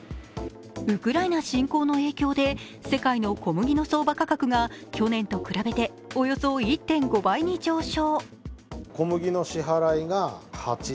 ウクライナ侵攻の影響で世界の小麦の相場価格は去年と比べておよそ１．５倍に上昇。